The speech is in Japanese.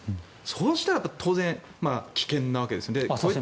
そうしたら当然、危険なわけですよ。